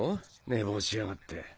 寝坊しやがって。